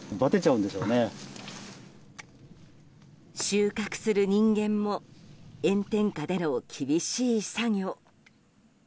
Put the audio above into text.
収穫する人間も炎天下での厳しい作業。